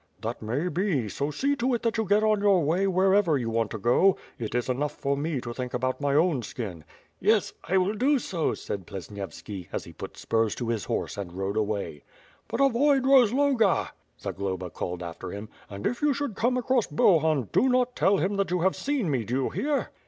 "That may be, so see to it that you get on your way wher ever you want to go. It is enough for me to think about my own skin." "Yes, I will do so," said Plesnievski, as he put spurs to his horse and rode away. "But avoid Rozloga," Zagloba called after him. "And if you should come across Bohun, do not tell him that you have seen me, do you hear?"